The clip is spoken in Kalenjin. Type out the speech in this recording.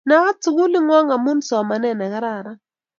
Naat sukuk ng'wong' amun somanet ne kararan